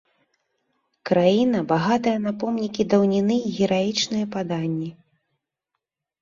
Краіна, багатая на помнікі даўніны і гераічныя паданні.